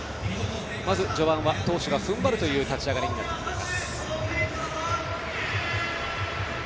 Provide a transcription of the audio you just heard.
まず序盤は投手が踏ん張るという立ち上がりになっています。